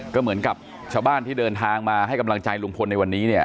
ก็เหมือนกับชาวบ้านที่เดินทางมาให้กำลังใจลุงพลในวันนี้เนี่ย